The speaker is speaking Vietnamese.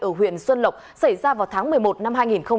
ở huyện xuân lộc xảy ra vào tháng một mươi một năm hai nghìn một mươi ba